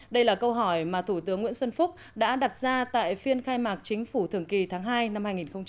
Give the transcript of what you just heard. đây là câu hỏi mà thủ tướng nguyễn xuân phúc đã đặt ra tại phiên khai mạc chính phủ thường kỳ tháng hai năm hai nghìn hai mươi